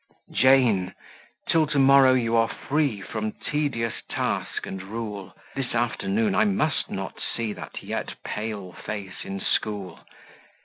"Jane, till to morrow you are free From tedious task and rule; This afternoon I must not see That yet pale face in school.